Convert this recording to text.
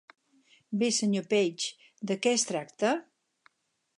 Bé, senyor Page, de què es tracta?